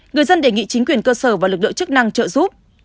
người dân đề nghị chính quyền cơ sở và lực lượng chức năng trợ giúp